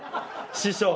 師匠。